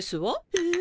ええ？